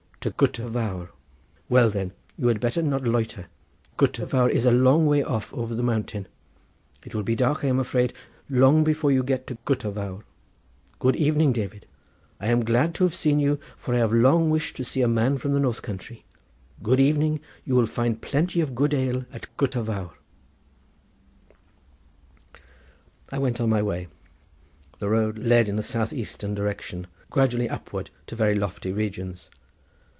"To Gutter Vawr." "Well, then, you had better not loiter. Gutter Vawr is a long way off over the mountain. It will be dark, I am afraid, long before you get to Gutter Vawr. Good evening, David! I am glad to have seen you, for I have long wished to see a man from the north country. Good evening! you will find plenty of good ale at Gutter Vawr!" I went on my way. The road led in a south eastern direction gradually upward to very lofty regions.